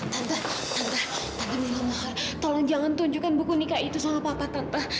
tante tante tante mila mohan tolong jangan tunjukkan buku nikah itu sama papa tante